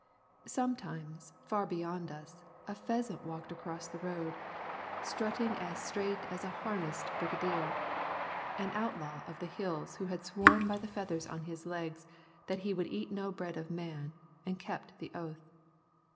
Sometimes, far beyond us, a pheasant walked across the road, strutting as straight as a harnessed brigadier, an outlaw of the Hills who had sworn by the feathers on his legs that he would eat no bread of man, and kept the oath.